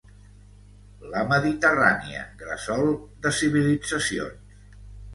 La Mediterrània, gresol de civilitzacions.